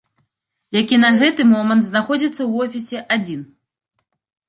Які на гэты момант знаходзіцца ў офісе адзін.